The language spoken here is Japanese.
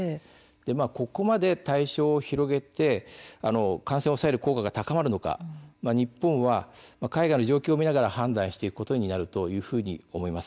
ここまで対象を広げて感染を抑える効果が高まるのか日本は海外の状況を見ながら判断していくことになるというふうに思います。